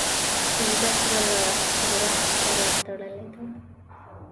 زده کړه له لوست سره تړلې ده.